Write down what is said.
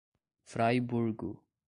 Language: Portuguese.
Fraiburgo